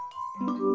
terima kasih yoko